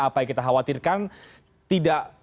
apa yang kita khawatirkan tidak